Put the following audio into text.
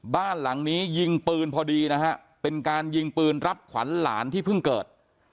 บ้านหลังนี้ยิงปืนพอดีนะฮะเป็นการยิงปืนรับขวัญหลานที่เพิ่งเกิด